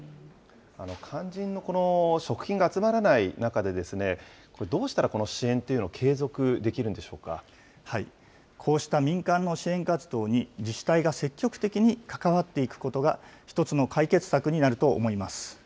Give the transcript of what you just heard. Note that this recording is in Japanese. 肝心のこの食品が集まらない中で、どうしたらこの支援というこうした民間の支援活動に、自治体が積極的に関わっていくことが、一つの解決策になると思います。